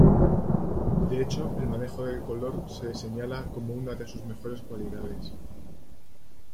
De hecho el manejo del color se señala como una de sus mejores cualidades.